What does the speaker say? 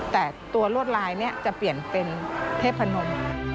แต่ตัวลวดลายนี้จะเปลี่ยนเป็นเทพนม